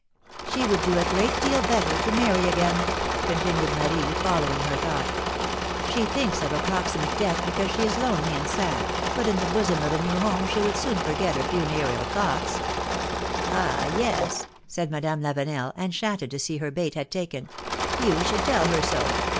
She would do a great deal better to marry again," continued Marie, following her thought. She thinks of a proximate death because she is lonely and sad, but in the bosom of a new home she would soon forget her funereal thoughts." philomene's marriages. 83 ! yes ! said Madame Lavenel, enchanted to see her bait had taken ; you should tell her so